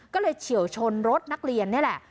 ก็เลยเฉียวชนรถนักเรียนนี่แหละ